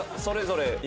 それぞれ。